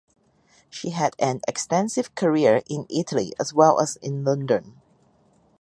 She had an extensive career in Italy as well as in London.